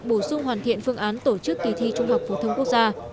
bổ sung hoàn thiện phương án tổ chức kỳ thi trung học phổ thông quốc gia